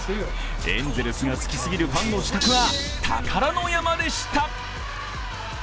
エンゼルス好きすぎるファンの自宅は宝の山でした。